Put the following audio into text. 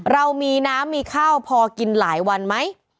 เรามีน้ำมีข้าวพอกินหลายวันไหม